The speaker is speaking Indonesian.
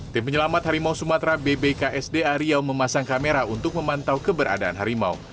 tim penyelamat harimau sumatra bbksd ariao memasang kamera untuk memantau keberadaan harimau